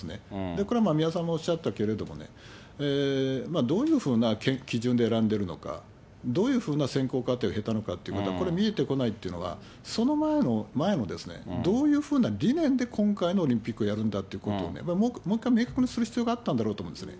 これは三輪さんもおっしゃったけれども、どういうふうな基準で選んでいるのか、どういうふうな選考過程を経たのかっていうのは、これが見えてこないっていうのは、その前も、どういうふうな理念で今回のオリンピックをやるんだっていうことをね、もう１回明確にする必要があったんだと思うんですね。